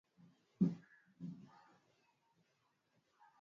Ni maono juu ya kuweza kuzifikia fursa zilizomo katika uchumi huo